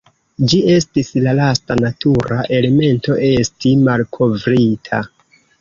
Ĝi estis la lasta natura elemento esti malkovrita.